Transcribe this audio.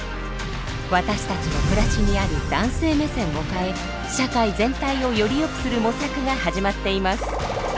私たちの暮らしにある男性目線を変え社会全体をよりよくする模索が始まっています。